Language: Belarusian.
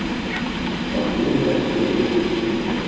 Агню відаць не было.